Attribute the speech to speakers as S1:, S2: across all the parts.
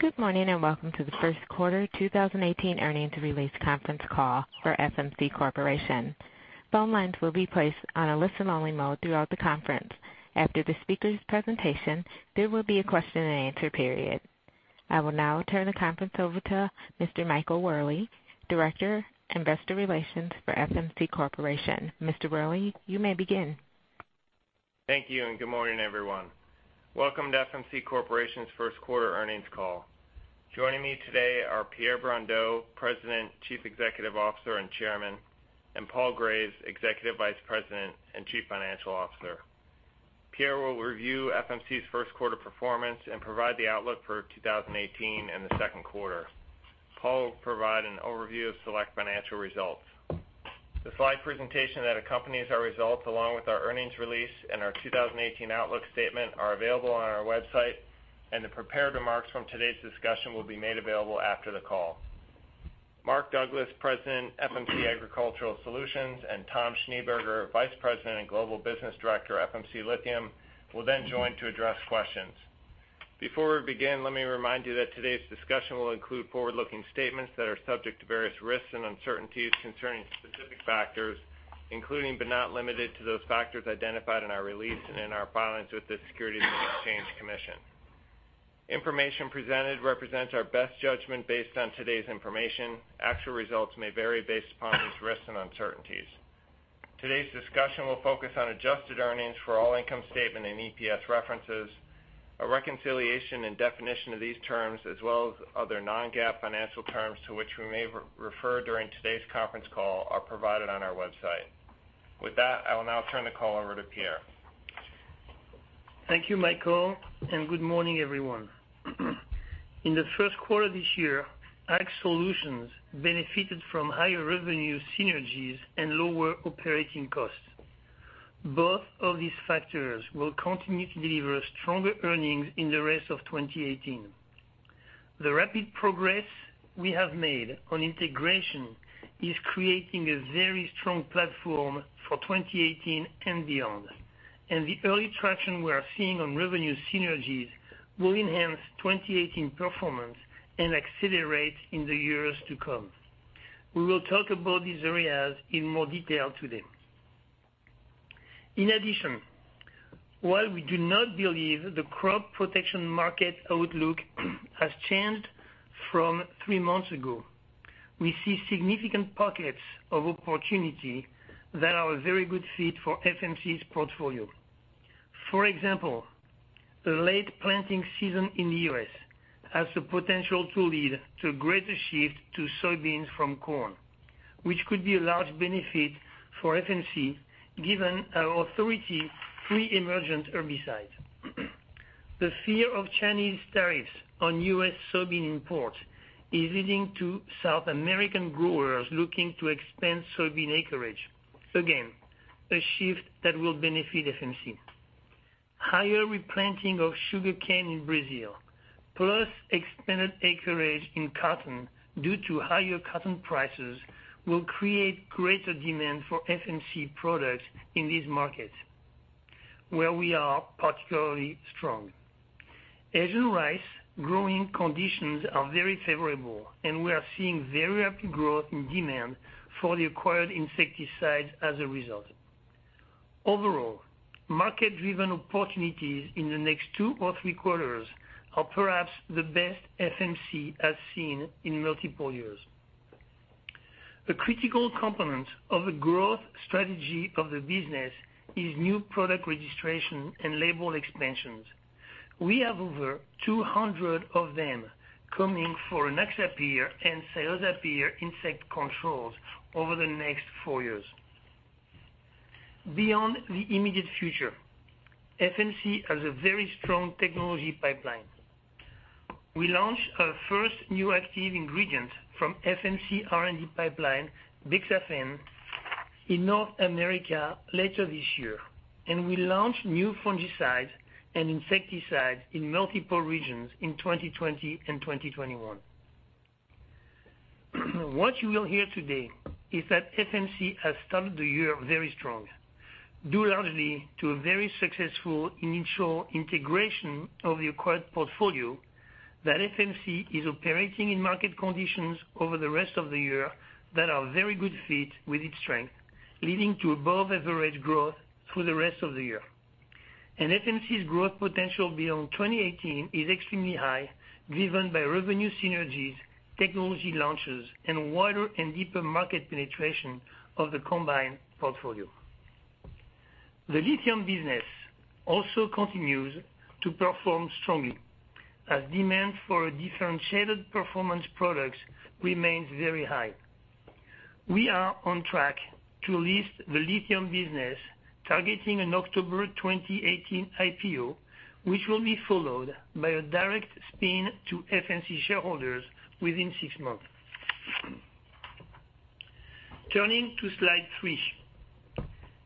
S1: Good morning, welcome to the first quarter 2018 earnings release conference call for FMC Corporation. Phone lines will be placed on a listen-only mode throughout the conference. After the speaker's presentation, there will be a question and answer period. I will now turn the conference over to Mr. Michael Wherley, Director, Investor Relations for FMC Corporation. Mr. Wherley, you may begin.
S2: Thank you, good morning, everyone. Welcome to FMC Corporation's first-quarter earnings call. Joining me today are Pierre Brondeau, President, Chief Executive Officer, and Chairman, Paul Graves, Executive Vice President and Chief Financial Officer. Pierre will review FMC's first-quarter performance and provide the outlook for 2018 and the second quarter. Paul will provide an overview of select financial results. The slide presentation that accompanies our results, along with our earnings release and our 2018 outlook statement, are available on our website. The prepared remarks from today's discussion will be made available after the call. Mark Douglas, President, FMC Agricultural Solutions, Tom Schneberger, Vice President and Global Business Director, FMC Lithium, will join to address questions. Before we begin, let me remind you that today's discussion will include forward-looking statements that are subject to various risks and uncertainties concerning specific factors, including but not limited to those factors identified in our release and in our filings with the Securities and Exchange Commission. Information presented represents our best judgment based on today's information. Actual results may vary based upon these risks and uncertainties. Today's discussion will focus on adjusted earnings for all income statement and EPS references. A reconciliation and definition of these terms, as well as other non-GAAP financial terms to which we may refer during today's conference call, are provided on our website. I will now turn the call over to Pierre.
S3: Thank you, Michael, good morning, everyone. In the first quarter of this year, Ag Solutions benefited from higher revenue synergies and lower operating costs. Both of these factors will continue to deliver stronger earnings in the rest of 2018. The rapid progress we have made on integration is creating a very strong platform for 2018 and beyond. The early traction we are seeing on revenue synergies will enhance 2018 performance and accelerate in the years to come. We will talk about these areas in more detail today. While we do not believe the crop protection market outlook has changed from three months ago, we see significant pockets of opportunity that are a very good fit for FMC's portfolio. For example, the late planting season in the U.S. has the potential to lead to a greater shift to soybeans from corn, which could be a large benefit for FMC, given our Authority pre-emergent herbicides. The fear of Chinese tariffs on U.S. soybean imports is leading to South American growers looking to expand soybean acreage. Again, a shift that will benefit FMC. Higher replanting of sugarcane in Brazil, plus expanded acreage in cotton due to higher cotton prices, will create greater demand for FMC products in these markets, where we are particularly strong. Asian rice growing conditions are very favorable, and we are seeing very rapid growth in demand for the acquired insecticides as a result. Overall, market-driven opportunities in the next two or three quarters are perhaps the best FMC has seen in multiple years. A critical component of the growth strategy of the business is new product registration and label expansions. We have over 200 of them coming for Rynaxypyr and Cyazypyr insect controls over the next four years. Beyond the immediate future, FMC has a very strong technology pipeline. We launch our first new active ingredient from FMC R&D pipeline, bixafen, in North America later this year, and we launch new fungicides and insecticides in multiple regions in 2020 and 2021. What you will hear today is that FMC has started the year very strong, due largely to a very successful initial integration of the acquired portfolio that FMC is operating in market conditions over the rest of the year that are a very good fit with its strength, leading to above-average growth through the rest of the year. FMC's growth potential beyond 2018 is extremely high, driven by revenue synergies, technology launches, and wider and deeper market penetration of the combined portfolio. The lithium business also continues to perform strongly as demand for our differentiated performance products remains very high. We are on track to list the lithium business, targeting an October 2018 IPO, which will be followed by a direct spin to FMC shareholders within six months. Turning to slide three,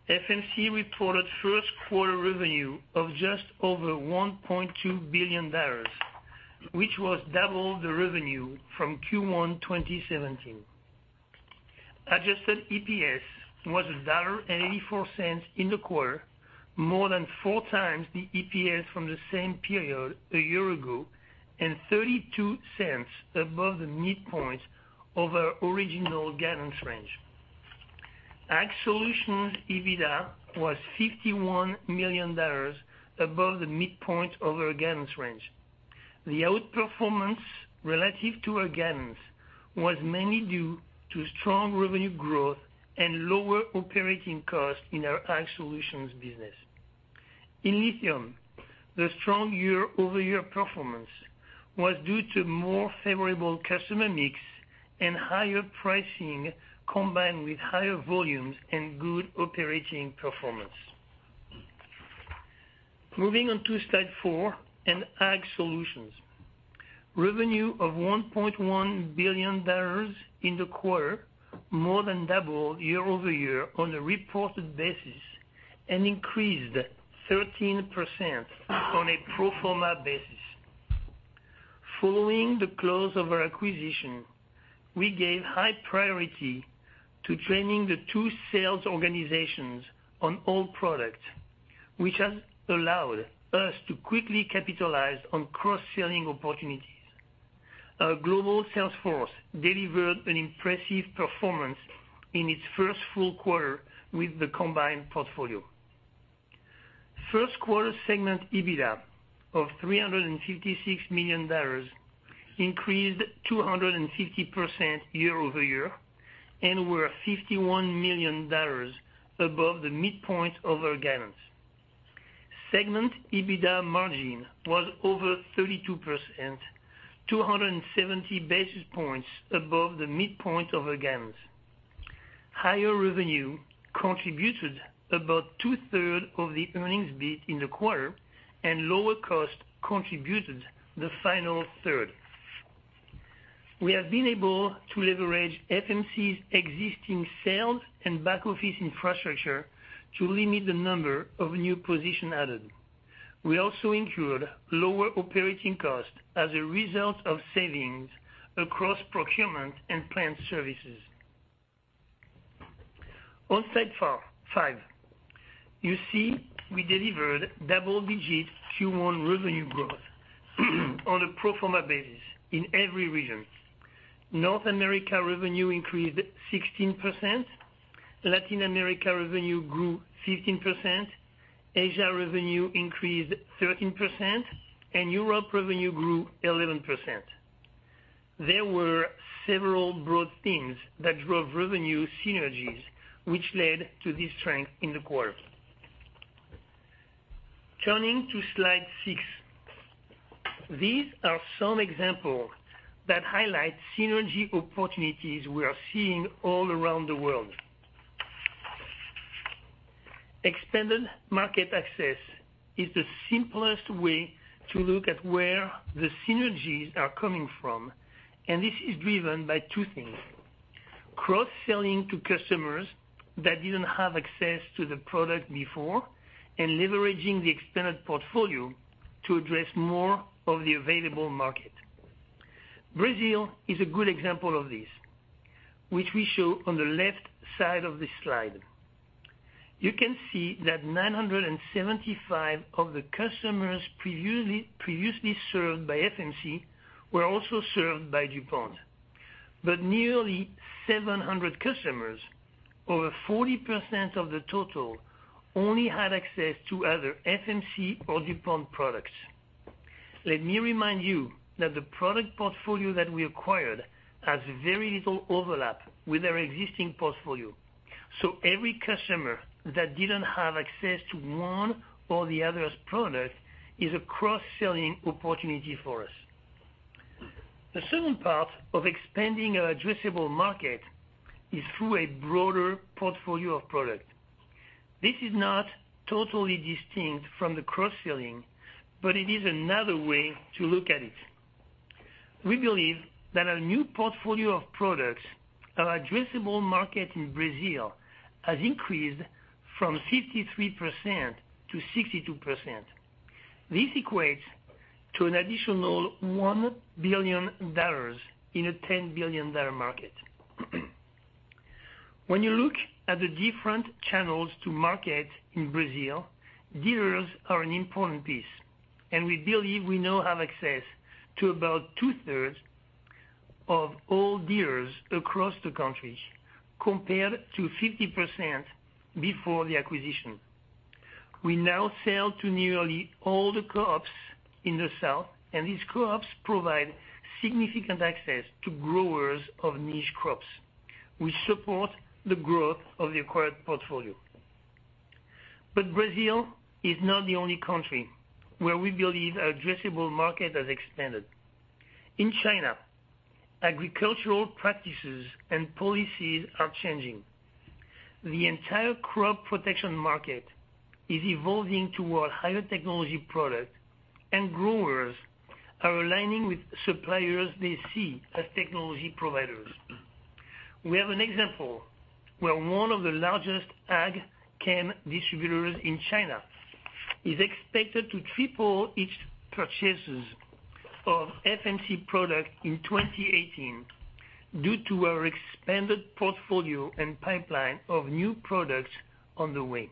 S3: FMC reported first-quarter revenue of just over $1.2 billion, which was double the revenue from Q1 2017. Adjusted EPS was $1.84 in the quarter, more than four times the EPS from the same period a year ago, and $0.32 above the midpoint of our original guidance range. Ag Solutions EBITDA was $51 million above the midpoint of our guidance range. The outperformance relative to our guidance was mainly due to strong revenue growth and lower operating costs in our Ag Solutions business. In lithium, the strong year-over-year performance was due to more favorable customer mix and higher pricing, combined with higher volumes and good operating performance. Moving on to slide four and Ag Solutions. Revenue of $1.1 billion in the quarter, more than double year-over-year on a reported basis and increased 13% on a pro forma basis. Following the close of our acquisition, we gave high priority to training the two sales organizations on all products, which has allowed us to quickly capitalize on cross-selling opportunities. Our global sales force delivered an impressive performance in its first full quarter with the combined portfolio. First quarter segment EBITDA of $356 million, increased 250% year-over-year and were $51 million above the midpoint of our guidance. Segment EBITDA margin was over 32%, 270 basis points above the midpoint of our guidance. Higher revenue contributed about two-third of the earnings beat in the quarter, and lower cost contributed the final third. We have been able to leverage FMC's existing sales and back office infrastructure to limit the number of new position added. We also incurred lower operating costs as a result of savings across procurement and plant services. On slide five, you see we delivered double-digit Q1 revenue growth on a pro forma basis in every region. North America revenue increased 16%, Latin America revenue grew 15%, Asia revenue increased 13%, and Europe revenue grew 11%. There were several broad themes that drove revenue synergies, which led to this strength in the quarter. Turning to slide six. These are some example that highlight synergy opportunities we are seeing all around the world. Expanded market access is the simplest way to look at where the synergies are coming from. This is driven by two things, cross-selling to customers that didn't have access to the product before and leveraging the expanded portfolio to address more of the available market. Brazil is a good example of this, which we show on the left side of this slide. You can see that 975 of the customers previously served by FMC were also served by DuPont. Nearly 700 customers, over 40% of the total, only had access to other FMC or DuPont products. Let me remind you that the product portfolio that we acquired has very little overlap with our existing portfolio. Every customer that didn't have access to one or the other's product is a cross-selling opportunity for us. The second part of expanding our addressable market is through a broader portfolio of product. This is not totally distinct from the cross-selling. It is another way to look at it. We believe that our new portfolio of products, our addressable market in Brazil has increased from 53% to 62%. This equates to an additional $1 billion in a $10 billion market. When you look at the different channels to market in Brazil, dealers are an important piece, and we believe we now have access to about two-thirds of all dealers across the country, compared to 50% before the acquisition. We now sell to nearly all the co-ops in the south, and these co-ops provide significant access to growers of niche crops. We support the growth of the acquired portfolio. Brazil is not the only country where we believe our addressable market has expanded. In China, agricultural practices and policies are changing. The entire crop protection market is evolving toward higher technology product, and growers are aligning with suppliers they see as technology providers. We have an example where one of the largest ag chem distributors in China is expected to triple its purchases of FMC product in 2018, due to our expanded portfolio and pipeline of new products on the way.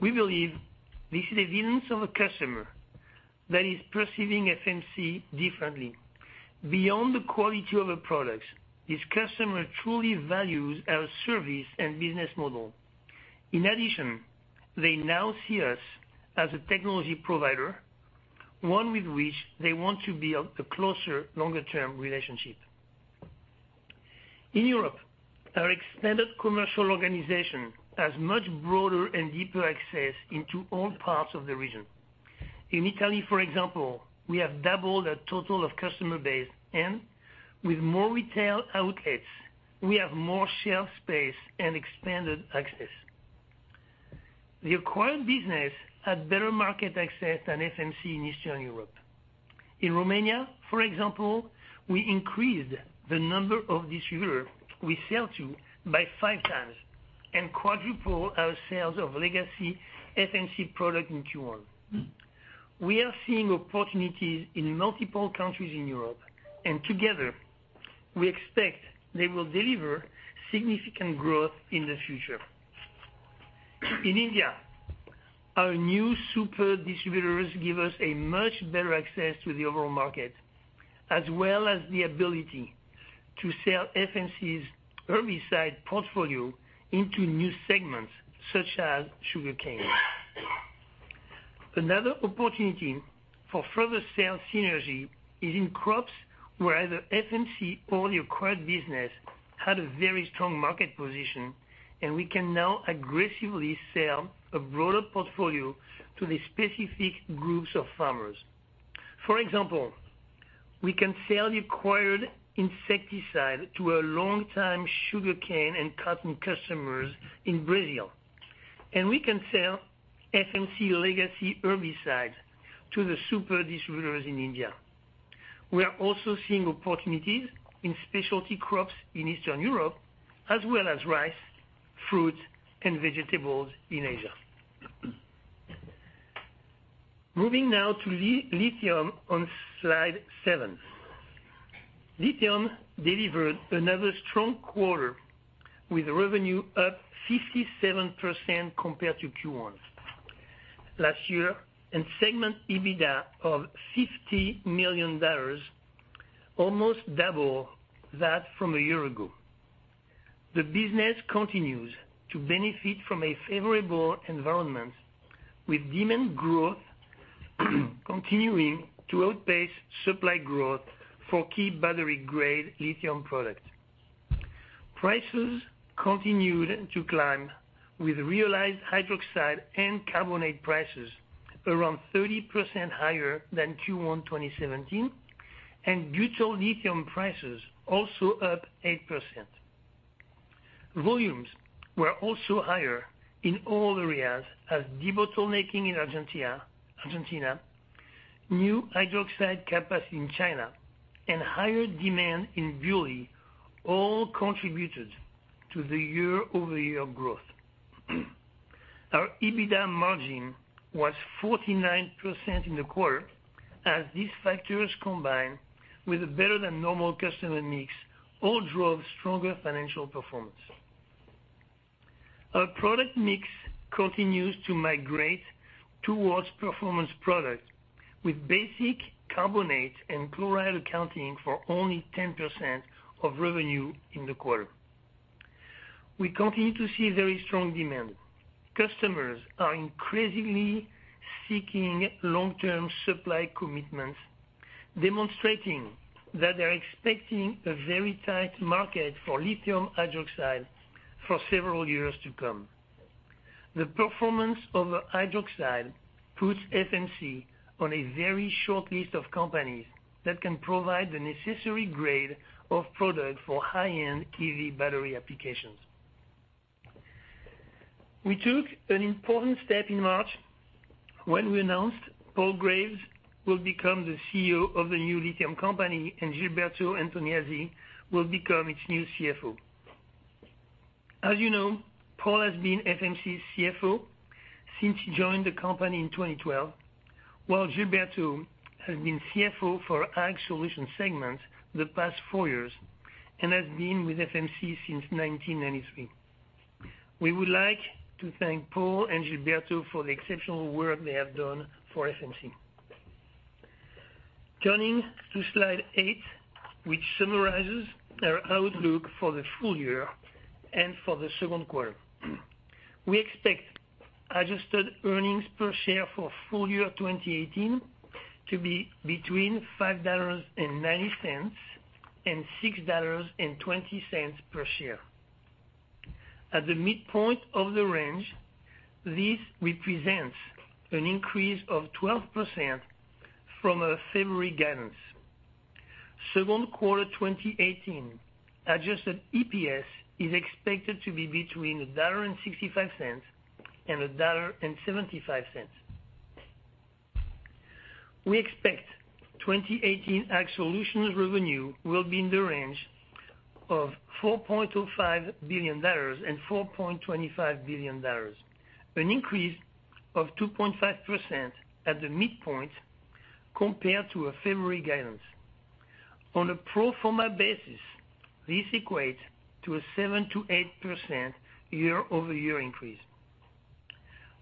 S3: We believe this is a win of a customer that is perceiving FMC differently. Beyond the quality of a product, this customer truly values our service and business model. In addition, they now see us as a technology provider, one with which they want to build a closer longer-term relationship. In Europe, our expanded commercial organization has much broader and deeper access into all parts of the region. In Italy, for example, we have doubled our total customer base, and with more retail outlets, we have more shelf space and expanded access. The acquired business had better market access than FMC in Eastern Europe. In Romania, for example, we increased the number of distributors we sell to by five times and quadruple our sales of legacy FMC product in Q1. We are seeing opportunities in multiple countries in Europe, and together, we expect they will deliver significant growth in the future. In India, our new super distributors give us a much better access to the overall market, as well as the ability to sell FMC's herbicide portfolio into new segments, such as sugarcane. Another opportunity for further sales synergy is in crops where either FMC or the acquired business had a very strong market position, and we can now aggressively sell a broader portfolio to the specific groups of farmers. For example, we can sell acquired insecticide to our longtime sugarcane and cotton customers in Brazil, and we can sell FMC legacy herbicides to the super distributors in India. We are also seeing opportunities in specialty crops in Eastern Europe, as well as rice, fruits, and vegetables in Asia. Moving now to lithium on slide seven. Lithium delivered another strong quarter with revenue up 57% compared to Q1 last year, and segment EBITDA of $50 million, almost double that from a year ago. The business continues to benefit from a favorable environment with demand growth continuing to outpace supply growth for key battery-grade lithium products. Prices continued to climb, with realized hydroxide and carbonate prices around 30% higher than Q1 2017, and butyllithium prices also up 8%. Volumes were also higher in all areas as debottlenecking in Argentina, new hydroxide capacity in China, and higher demand in butyl all contributed to the year-over-year growth. Our EBITDA margin was 49% in the quarter as these factors combined with a better-than-normal customer mix all drove stronger financial performance. Our product mix continues to migrate towards performance product, with basic carbonate and chloride accounting for only 10% of revenue in the quarter. We continue to see very strong demand. Customers are increasingly seeking long-term supply commitments, demonstrating that they are expecting a very tight market for lithium hydroxide for several years to come. The performance of the hydroxide puts FMC on a very short list of companies that can provide the necessary grade of product for high-end EV battery applications. We took an important step in March when we announced Paul Graves will become the CEO of the new lithium company and Gilberto Antoniazzi will become its new CFO. As you know, Paul has been FMC's CFO since he joined the company in 2012, while Gilberto has been CFO for Ag Solutions segment the past four years and has been with FMC since 1993. We would like to thank Paul and Gilberto for the exceptional work they have done for FMC. Turning to slide eight, which summarizes our outlook for the full year and for the second quarter. We expect adjusted earnings per share for full year 2018 to be between $5.90 and $6.20 per share. At the midpoint of the range, this represents an increase of 12% from our February guidance. Second quarter 2018 adjusted EPS is expected to be between $1.65 and $1.75. We expect 2018 Ag Solutions revenue will be in the range Of $4.25 billion and $4.25 billion, an increase of 2.5% at the midpoint compared to our February guidance. On a pro forma basis, this equates to a 7%-8% year-over-year increase.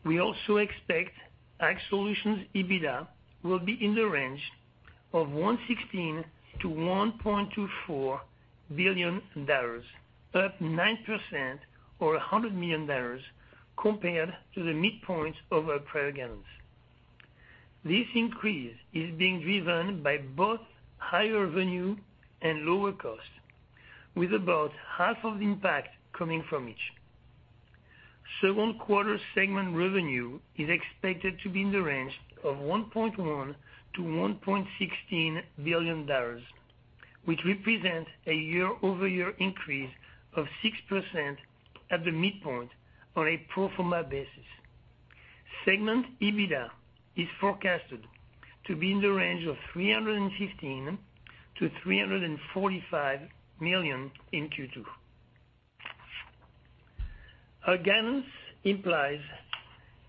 S3: We also expect Ag Solutions EBITDA will be in the range of $1.16 billion to $1.24 billion, up 9% or $100 million compared to the midpoint of our prior guidance. This increase is being driven by both higher revenue and lower cost, with about half of the impact coming from each. Second quarter segment revenue is expected to be in the range of $1.1 billion-$1.16 billion, which represents a year-over-year increase of 6% at the midpoint on a pro forma basis. Segment EBITDA is forecasted to be in the range of $315 million-$345 million in Q2. Our guidance implies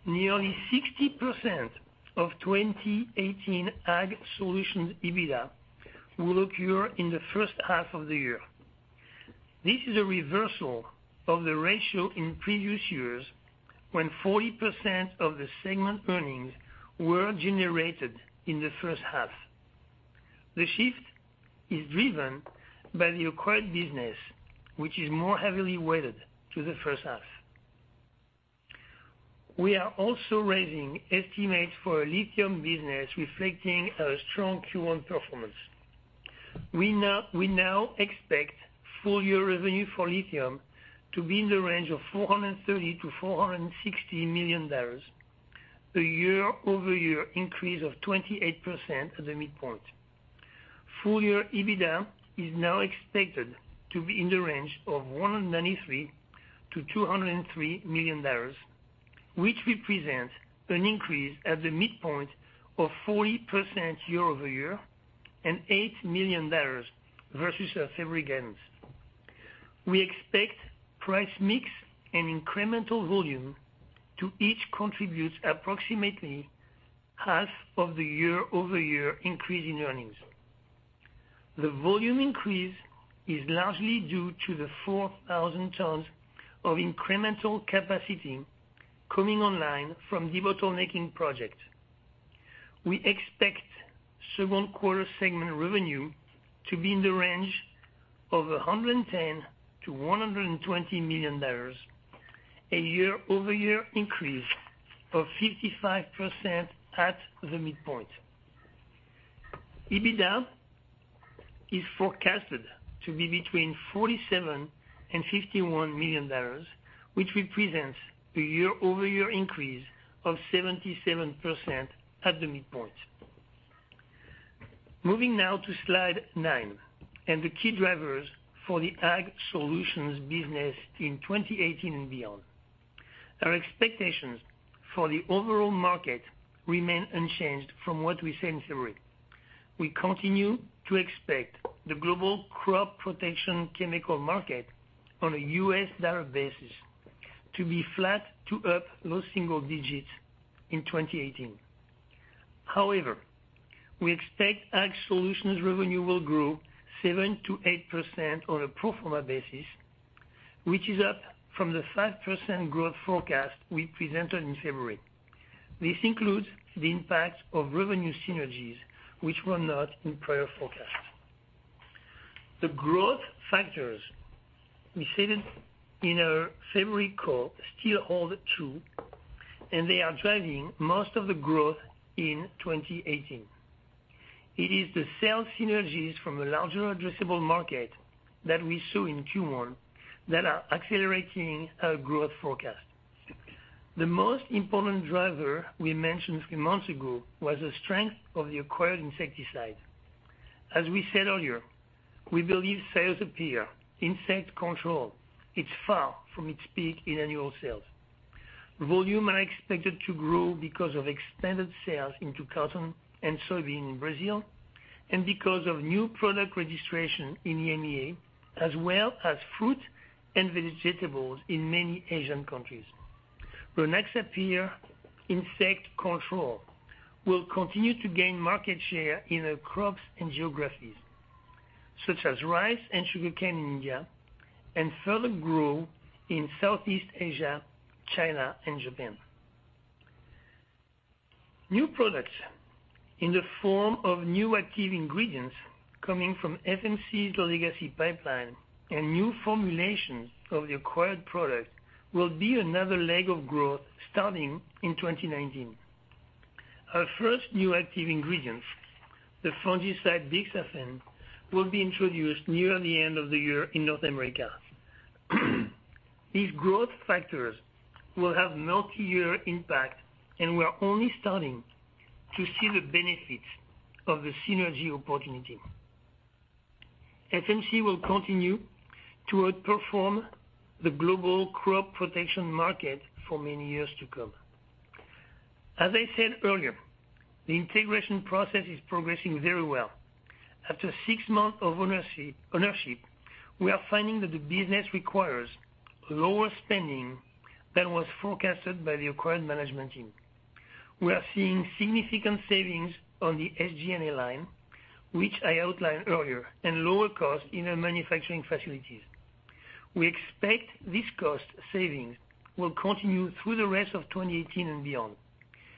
S3: nearly 60% of 2018 Ag Solutions EBITDA will occur in the first half of the year. This is a reversal of the ratio in previous years when 40% of the segment earnings were generated in the first half. The shift is driven by the acquired business, which is more heavily weighted to the first half. We are also raising estimates for our lithium business, reflecting a strong Q1 performance. We now expect full-year revenue for lithium to be in the range of $430 million-$460 million, a year-over-year increase of 28% at the midpoint. Full-year EBITDA is now expected to be in the range of $193 million-$203 million, which represents an increase at the midpoint of 40% year-over-year and $8 million versus our February guidance. We expect price mix and incremental volume to each contribute approximately half of the year-over-year increase in earnings. The volume increase is largely due to the 4,000 tons of incremental capacity coming online from the debottlenecking project. We expect second quarter segment revenue to be in the range of $110 million-$120 million, a year-over-year increase of 55% at the midpoint. EBITDA is forecasted to be between $47 million and $51 million, which represents a year-over-year increase of 77% at the midpoint. Moving now to Slide 9 and the key drivers for the Ag Solutions business in 2018 and beyond. Our expectations for the overall market remain unchanged from what we said in February. We continue to expect the global crop protection chemical market on a US dollar basis to be flat to up low single digits in 2018. We expect Ag Solutions revenue will grow 7%-8% on a pro forma basis, which is up from the 5% growth forecast we presented in February. This includes the impact of revenue synergies which were not in prior forecasts. The growth factors we stated in our February call still hold true, and they are driving most of the growth in 2018. It is the sales synergies from a larger addressable market that we saw in Q1 that are accelerating our growth forecast. The most important driver we mentioned three months ago was the strength of the acquired insecticide. As we said earlier, we believe Cyazypyr insect control is far from its peak in annual sales. Volume are expected to grow because of extended sales into cotton and soybean in Brazil, and because of new product registration in EMEA, as well as fruit and vegetables in many Asian countries. Rynaxypyr insect control will continue to gain market share in our crops and geographies, such as rice and sugarcane in India, and further grow in Southeast Asia, China and Japan. New products in the form of new active ingredients coming from FMC's legacy pipeline and new formulations of the acquired product will be another leg of growth starting in 2019. Our first new active ingredient, the fungicide bixafen, will be introduced near the end of the year in North America. These growth factors will have multi-year impact, and we are only starting to see the benefits of the synergy opportunity. FMC will continue to outperform the global crop protection market for many years to come. As I said earlier, the integration process is progressing very well. After six months of ownership, we are finding that the business requires lower spending than was forecasted by the acquired management team. We are seeing significant savings on the SG&A line, which I outlined earlier, and lower costs in our manufacturing facilities. We expect these cost savings will continue through the rest of 2018 and beyond,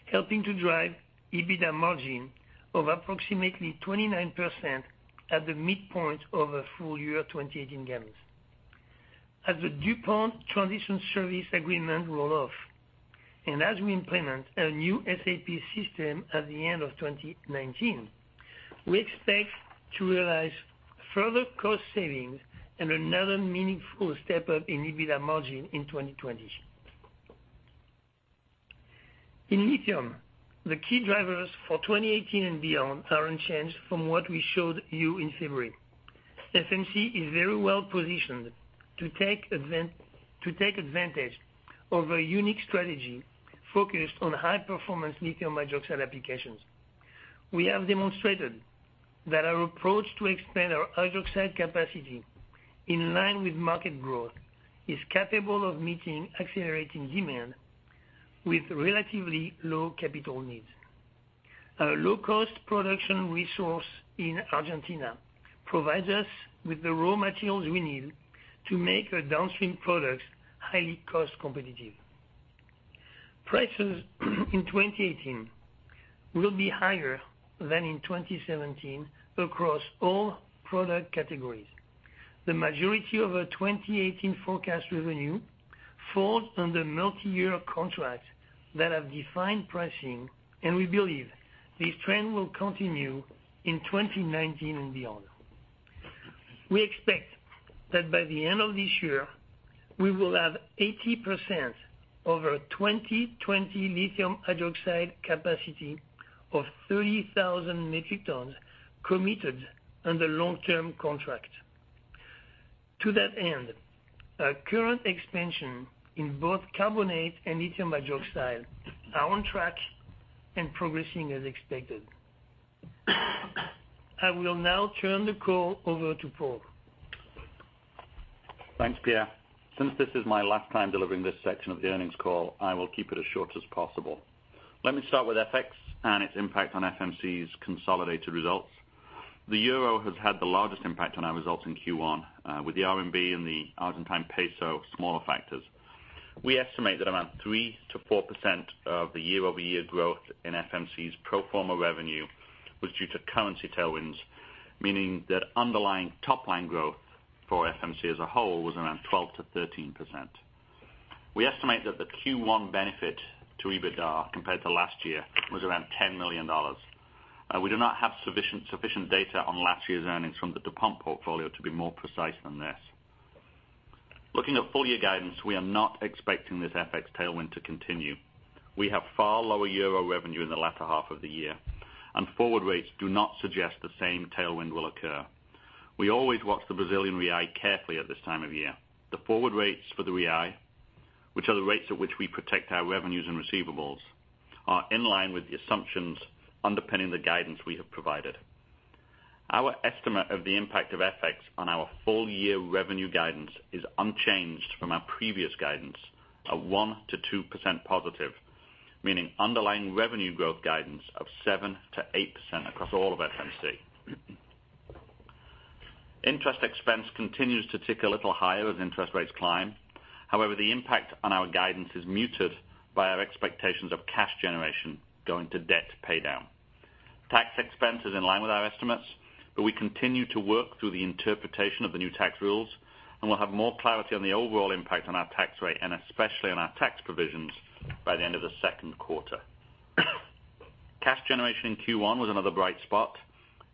S3: helping to drive EBITDA margin of approximately 29% at the midpoint of our full year 2018 guidance. As the DuPont transition service agreement roll off, and as we implement our new SAP system at the end of 2019, we expect to realize further cost savings and another meaningful step-up in EBITDA margin in 2020. In lithium, the key drivers for 2018 and beyond are unchanged from what we showed you in February. FMC is very well positioned to take advantage of our unique strategy focused on high-performance lithium hydroxide applications. We have demonstrated that our approach to expand our hydroxide capacity in line with market growth is capable of meeting accelerating demand with relatively low capital needs. Our low-cost production resource in Argentina provides us with the raw materials we need to make our downstream products highly cost competitive. Prices in 2018 will be higher than in 2017 across all product categories. The majority of our 2018 forecast revenue falls under multi-year contracts that have defined pricing, and we believe this trend will continue in 2019 and beyond. We expect that by the end of this year, we will have 80% of our 2020 lithium hydroxide capacity of 30,000 metric tons committed under long-term contract. To that end, our current expansion in both carbonate and lithium hydroxide are on track and progressing as expected. I will now turn the call over to Paul.
S4: Thanks, Pierre. Since this is my last time delivering this section of the earnings call, I will keep it as short as possible. Let me start with FX and its impact on FMC's consolidated results. The euro has had the largest impact on our results in Q1, with the RMB and the Argentine peso smaller factors. We estimate that around 3%-4% of the year-over-year growth in FMC's pro forma revenue was due to currency tailwinds, meaning that underlying top-line growth for FMC as a whole was around 12%-13%. We estimate that the Q1 benefit to EBITDA compared to last year was around $10 million. We do not have sufficient data on last year's earnings from the DuPont portfolio to be more precise than this. Looking at full-year guidance, we are not expecting this FX tailwind to continue. We have far lower euro revenue in the latter half of the year, and forward rates do not suggest the same tailwind will occur. We always watch the Brazilian real carefully at this time of year. The forward rates for the real, which are the rates at which we protect our revenues and receivables, are in line with the assumptions underpinning the guidance we have provided. Our estimate of the impact of FX on our full-year revenue guidance is unchanged from our previous guidance of 1%-2% positive, meaning underlying revenue growth guidance of 7%-8% across all of FMC. Interest expense continues to tick a little higher as interest rates climb. However, the impact on our guidance is muted by our expectations of cash generation going to debt paydown. Tax expense is in line with our estimates, but we continue to work through the interpretation of the new tax rules, and we'll have more clarity on the overall impact on our tax rate, and especially on our tax provisions, by the end of the second quarter. Cash generation in Q1 was another bright spot.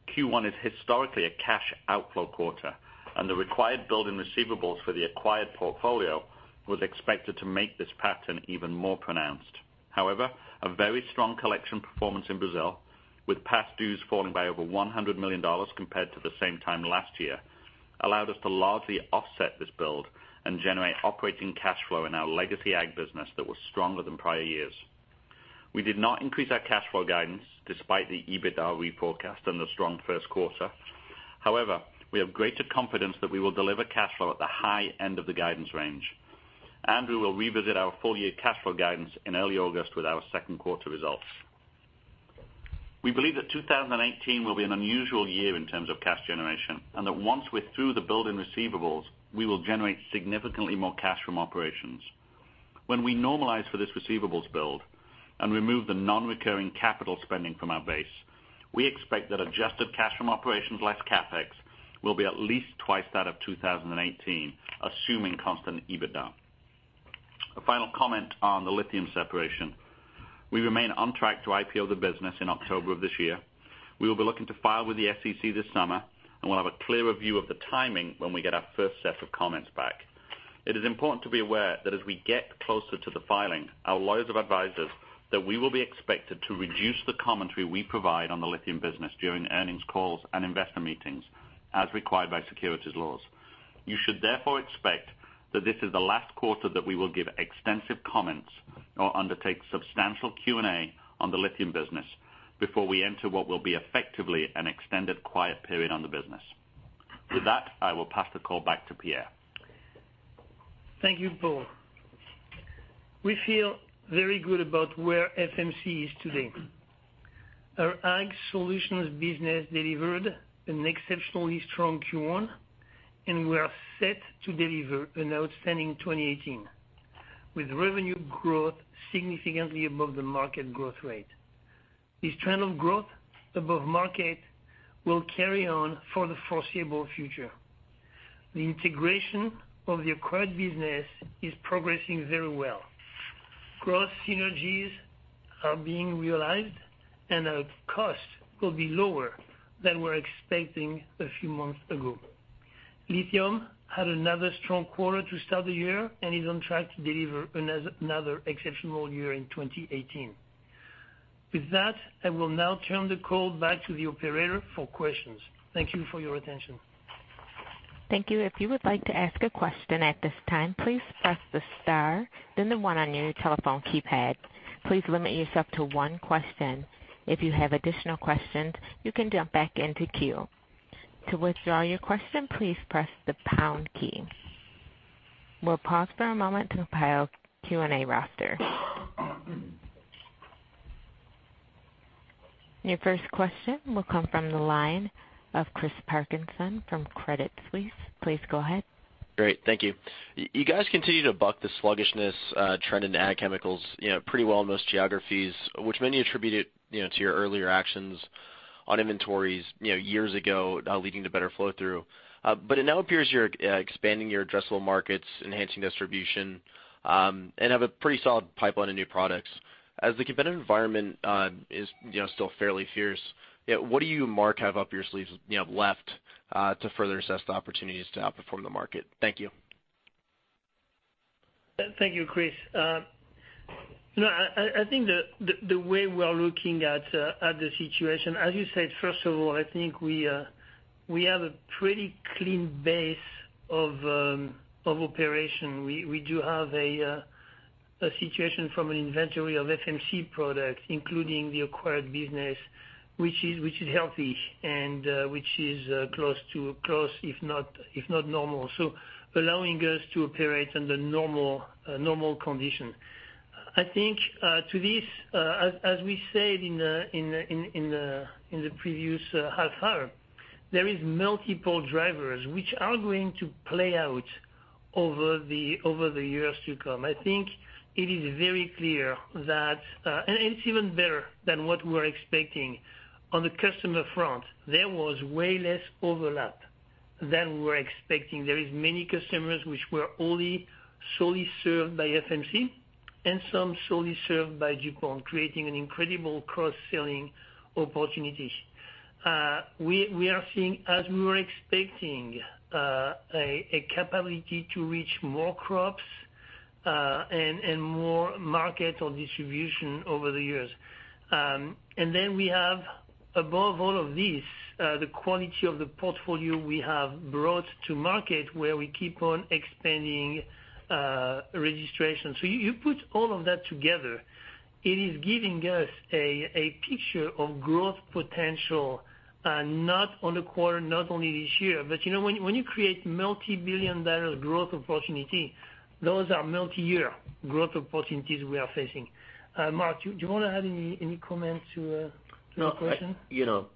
S4: Q1 is historically a cash outflow quarter, and the required build in receivables for the acquired portfolio was expected to make this pattern even more pronounced. However, a very strong collection performance in Brazil, with past dues falling by over $100 million compared to the same time last year, allowed us to largely offset this build and generate operating cash flow in our legacy ag business that was stronger than prior years. We did not increase our cash flow guidance despite the EBITDA we forecast and the strong first quarter. However, we have greater confidence that we will deliver cash flow at the high end of the guidance range. We will revisit our full-year cash flow guidance in early August with our second quarter results. We believe that 2018 will be an unusual year in terms of cash generation, and that once we're through the build in receivables, we will generate significantly more cash from operations. When we normalize for this receivables build and remove the non-recurring capital spending from our base, we expect that adjusted cash from operations less CapEx will be at least twice that of 2018, assuming constant EBITDA. A final comment on the lithium separation. We remain on track to IPO the business in October of this year. We will be looking to file with the SEC this summer. We'll have a clearer view of the timing when we get our first set of comments back. It is important to be aware that as we get closer to the filing, our lawyers have advised us that we will be expected to reduce the commentary we provide on the lithium business during earnings calls and investor meetings as required by securities laws. You should therefore expect that this is the last quarter that we will give extensive comments or undertake substantial Q&A on the lithium business Before we enter what will be effectively an extended quiet period on the business. With that, I will pass the call back to Pierre.
S3: Thank you, Paul. We feel very good about where FMC is today. Our Ag Solutions business delivered an exceptionally strong Q1. We are set to deliver an outstanding 2018, with revenue growth significantly above the market growth rate. This trend of growth above market will carry on for the foreseeable future. The integration of the acquired business is progressing very well. Cross synergies are being realized. Our cost will be lower than we were expecting a few months ago. Lithium had another strong quarter to start the year and is on track to deliver another exceptional year in 2018. With that, I will now turn the call back to the operator for questions. Thank you for your attention.
S1: Thank you. If you would like to ask a question at this time, please press the star, then the one on your telephone keypad. Please limit yourself to one question. If you have additional questions, you can jump back into queue. To withdraw your question, please press the pound key. We'll pause for a moment to compile Q&A roster. Your first question will come from the line of Chris Parkinson from Credit Suisse. Please go ahead.
S5: Great. Thank you. You guys continue to buck the sluggishness trend in Ag Chemicals pretty well in most geographies, which many attributed to your earlier actions on inventories years ago, leading to better flow through. It now appears you're expanding your addressable markets, enhancing distribution, and have a pretty solid pipeline of new products. As the competitive environment is still fairly fierce, what do you and Mark have up your sleeves left to further assess the opportunities to outperform the market? Thank you.
S3: Thank you, Chris. I think the way we are looking at the situation, as you said, first of all, I think we have a pretty clean base of operation. We do have a situation from an inventory of FMC products, including the acquired business, which is healthy and which is close, if not normal, so allowing us to operate under normal condition. I think to this, as we said in the previous half hour, there is multiple drivers which are going to play out over the years to come. I think it is very clear that it's even better than what we were expecting. On the customer front, there was way less overlap than we were expecting. There is many customers which were only solely served by FMC and some solely served by DuPont, creating an incredible cross-selling opportunity. We are seeing, as we were expecting, a capability to reach more crops and more market or distribution over the years. We have, above all of this, the quality of the portfolio we have brought to market where we keep on expanding registration. You put all of that together, it is giving us a picture of growth potential, not on the quarter, not only this year. When you create multibillion-dollar growth opportunity, those are multi-year growth opportunities we are facing. Mark, do you want to add any comments to that question?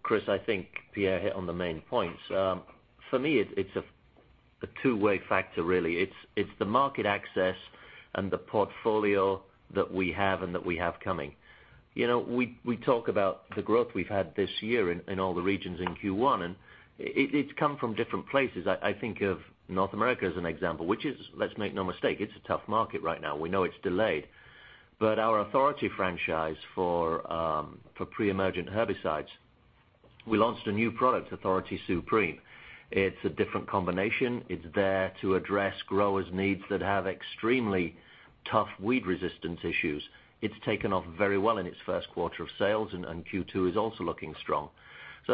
S6: Chris, I think Pierre hit on the main points. For me, it's a two-way factor, really. It's the market access and the portfolio that we have and that we have coming. We talk about the growth we've had this year in all the regions in Q1, and it's come from different places. I think of North America as an example, which is, let's make no mistake, it's a tough market right now. We know it's delayed. Our Authority franchise for pre-emergent herbicides, we launched a new product, Authority Supreme. It's a different combination. It's there to address growers' needs that have extremely tough weed resistance issues. It's taken off very well in its first quarter of sales, and Q2 is also looking strong.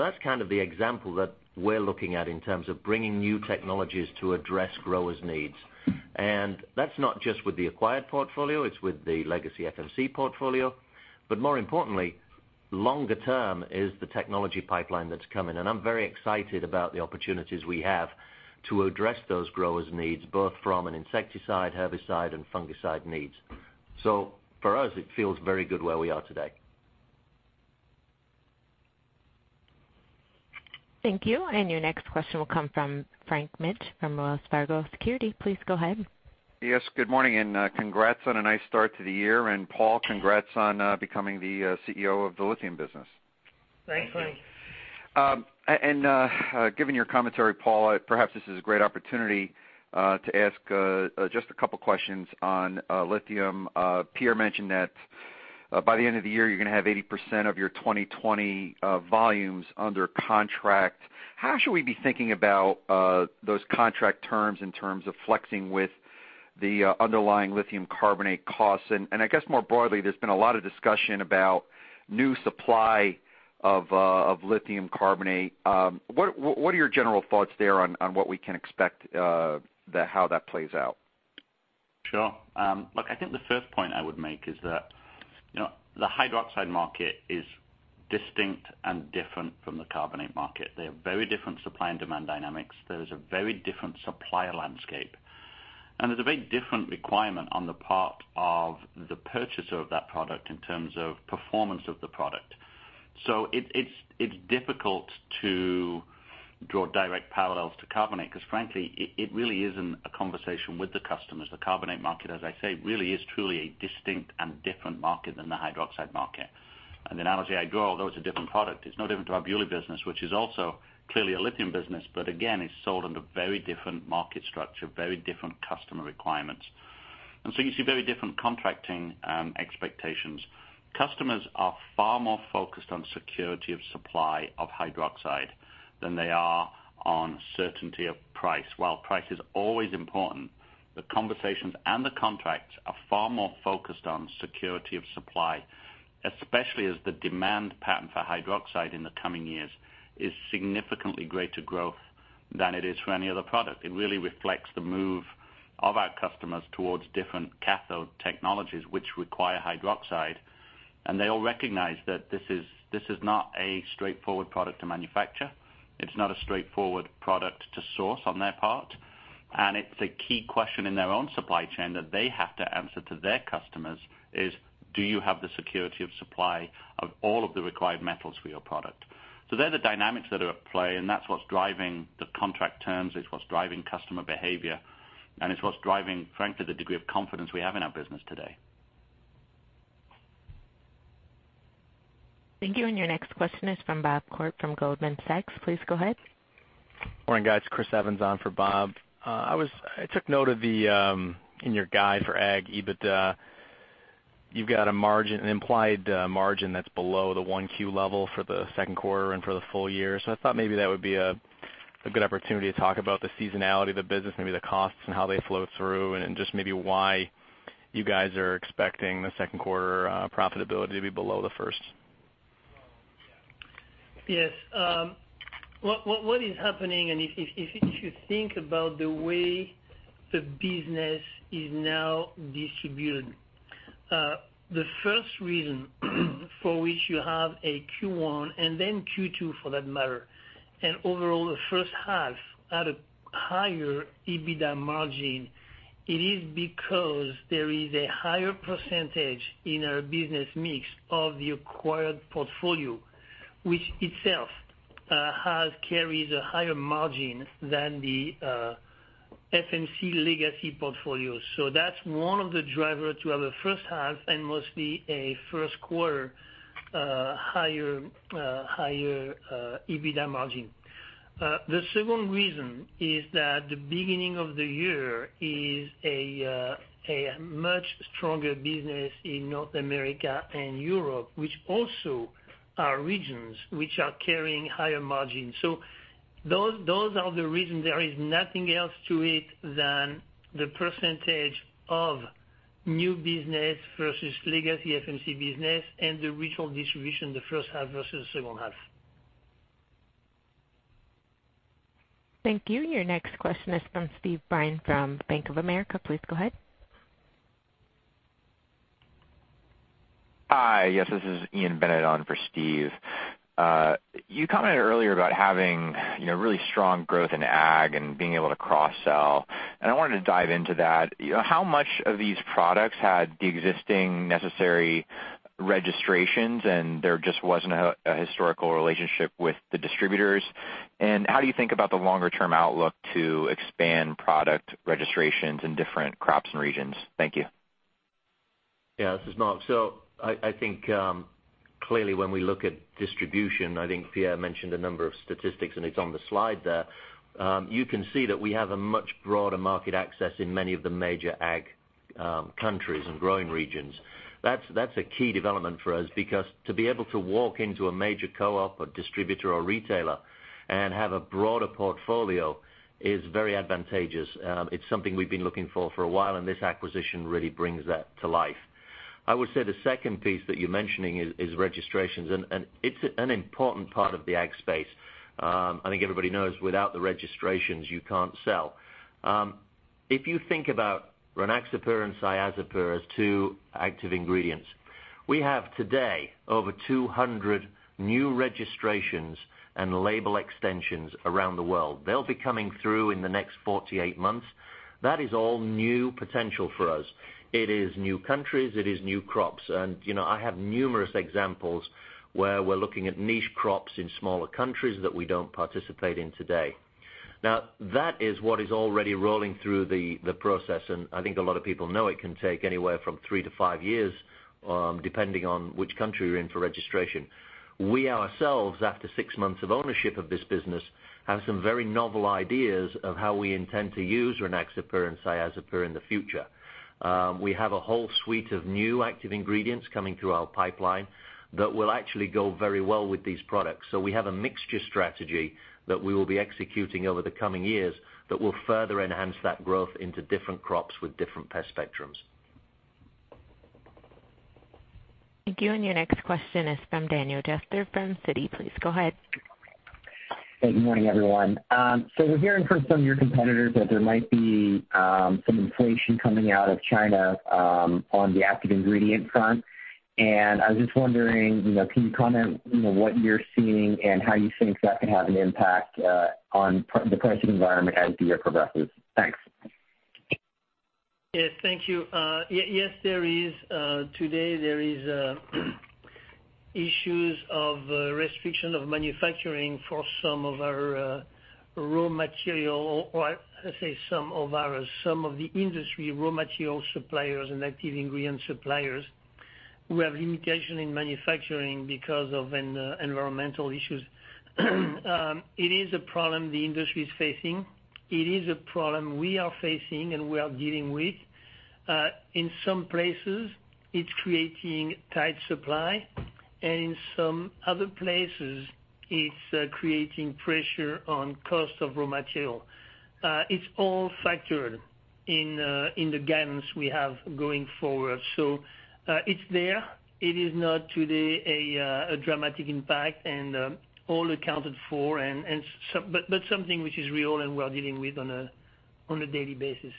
S6: That's kind of the example that we're looking at in terms of bringing new technologies to address growers' needs. That's not just with the acquired portfolio, it's with the legacy FMC portfolio. More importantly, longer term is the technology pipeline that's coming. I'm very excited about the opportunities we have to address those growers' needs, both from an insecticide, herbicide, and fungicide needs. For us, it feels very good where we are today.
S1: Thank you. Your next question will come from Frank Mitsch from Wells Fargo Securities. Please go ahead.
S7: Yes, good morning, congrats on a nice start to the year. Paul, congrats on becoming the CEO of the lithium business.
S4: Thank you. Thank you.
S7: Given your commentary, Paul, perhaps this is a great opportunity to ask just a couple questions on lithium. Pierre mentioned that by the end of the year, you're going to have 80% of your 2020 volumes under contract. How should we be thinking about those contract terms in terms of flexing with the underlying lithium carbonate costs? I guess more broadly, there's been a lot of discussion about new supply of lithium carbonate. What are your general thoughts there on what we can expect how that plays out?
S4: Sure. Look, I think the first point I would make is that the hydroxide market is distinct and different from the carbonate market. They have very different supply and demand dynamics. There is a very different supplier landscape, and there's a very different requirement on the part of the purchaser of that product in terms of performance of the product. It's difficult to draw direct parallels to carbonate, because frankly, it really isn't a conversation with the customers. The carbonate market, as I say, really is truly a distinct and different market than the hydroxide market. As I go, although it's a different product, it's no different to our butyllithium business, which is also clearly a lithium business, but again, is sold under very different market structure, very different customer requirements. You see very different contracting expectations. Customers are far more focused on security of supply of hydroxide than they are on certainty of price. While price is always important, the conversations and the contracts are far more focused on security of supply, especially as the demand pattern for hydroxide in the coming years is significantly greater growth than it is for any other product. It really reflects the move of our customers towards different cathode technologies, which require hydroxide. They all recognize that this is not a straightforward product to manufacture. It's not a straightforward product to source on their part. It's a key question in their own supply chain that they have to answer to their customers is, do you have the security of supply of all of the required metals for your product? They're the dynamics that are at play, and that's what's driving the contract terms, it's what's driving customer behavior, and it's what's driving, frankly, the degree of confidence we have in our business today.
S1: Thank you. Your next question is from Bob Koort from Goldman Sachs. Please go ahead.
S8: Morning, guys. Chris Evans on for Bob. I took note in your guide for Ag EBITDA, you've got an implied margin that's below the 1Q level for the second quarter and for the full year. I thought maybe that would be a good opportunity to talk about the seasonality of the business, maybe the costs and how they flow through, and just maybe why you guys are expecting the second quarter profitability to be below the first.
S3: Yes. What is happening, if you think about the way the business is now distributed, the first reason for which you have a Q1 and then Q2 for that matter, and overall the first half at a higher EBITDA margin, it is because there is a higher percentage in our business mix of the acquired portfolio, which itself carries a higher margin than the FMC legacy portfolio. That's one of the driver to have a first half and mostly a first quarter higher EBITDA margin. The second reason is that the beginning of the year is a much stronger business in North America and Europe, which also are regions which are carrying higher margins. Those are the reasons. There is nothing else to it than the percentage of new business versus legacy FMC business and the regional distribution the first half versus second half.
S1: Thank you. Your next question is from Steve Byrne from Bank of America. Please go ahead.
S9: Hi. Yes, this is Ian Bennett on for Steve. You commented earlier about having really strong growth in Ag and being able to cross-sell. I wanted to dive into that. How much of these products had the existing necessary registrations, and there just wasn't a historical relationship with the distributors? How do you think about the longer-term outlook to expand product registrations in different crops and regions? Thank you.
S6: Yeah, this is Mark. I think clearly when we look at distribution, I think Pierre mentioned a number of statistics, it's on the slide there. You can see that we have a much broader market access in many of the major Ag countries and growing regions. That's a key development for us because to be able to walk into a major co-op or distributor or retailer and have a broader portfolio is very advantageous. It's something we've been looking for for a while, this acquisition really brings that to life. I would say the second piece that you're mentioning is registrations, it's an important part of the Ag space. I think everybody knows without the registrations, you can't sell. If you think about Rynaxypyr and Cyazypyr as two active ingredients, we have today over 200 new registrations and label extensions around the world. They'll be coming through in the next 48 months. That is all new potential for us. It is new countries, it is new crops. I have numerous examples where we're looking at niche crops in smaller countries that we don't participate in today. That is what is already rolling through the process, I think a lot of people know it can take anywhere from three to five years, depending on which country you're in for registration. We ourselves, after six months of ownership of this business, have some very novel ideas of how we intend to use Rynaxypyr and Cyazypyr in the future. We have a whole suite of new active ingredients coming through our pipeline that will actually go very well with these products. We have a mixture strategy that we will be executing over the coming years that will further enhance that growth into different crops with different pest spectrums.
S1: Thank you. Your next question is from Daniel Jester from Citi. Please go ahead.
S10: Good morning, everyone. We're hearing from some of your competitors that there might be some inflation coming out of China on the active ingredient front. I was just wondering, can you comment on what you're seeing and how you think that could have an impact on the pricing environment as the year progresses? Thanks.
S3: Yes. Thank you. Yes, today there is issues of restriction of manufacturing for some of our raw material, or I say some of the industry raw material suppliers and active ingredient suppliers who have limitation in manufacturing because of environmental issues. It is a problem the industry is facing. It is a problem we are facing, and we are dealing with. In some places, it's creating tight supply, and in some other places it's creating pressure on cost of raw material. It's all factored in the guidance we have going forward. It's there. It is not today a dramatic impact and all accounted for. Something which is real and we are dealing with on a daily basis.